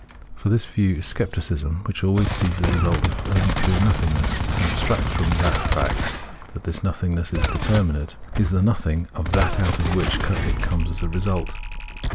For this view is scepticism, which always sees in the result only pure nothingness, and abstracts from the fact that this nothing is determinate, is the nothing of that out of wliicJi it comes as a resiilt.